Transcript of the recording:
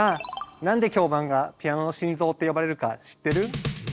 何で響板がピアノの心臓って呼ばれるか知ってる？え？